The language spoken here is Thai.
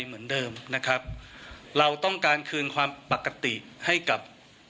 เหมือนเดิมนะครับเราต้องการคืนความปกติให้กับ